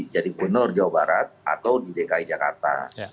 jadi gubernur jawa barat atau di dki jakarta